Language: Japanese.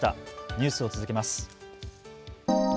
ニュースを続けます。